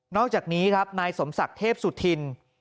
อกจากนี้ครับนายสมศักดิ์เทพสุธิน